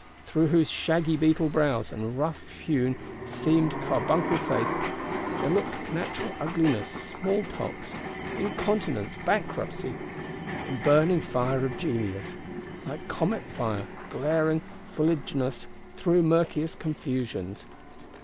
Through whose shaggy beetle brows, and rough hewn, seamed, carbuncled face, there look natural ugliness, small pox, incontinence, bankruptcy,—and burning fire of genius; like comet fire glaring fuliginous through murkiest confusions?